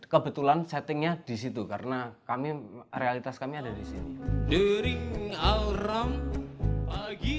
kebetulan settingnya di situ karena realitas kami ada di sini